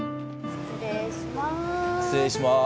失礼します。